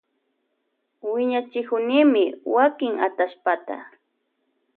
Wiñachikunimi wakin atallpata.